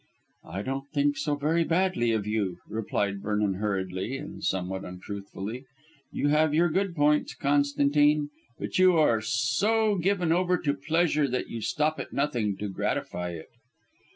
"I don't think so very badly of you," replied Vernon hurriedly and somewhat untruthfully, "you have your good points, Constantine, but you are so given over to pleasure that you stop at nothing to gratify it."